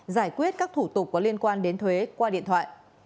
giải quyết các thủ tục có liên quan đến thuế qua điện thoại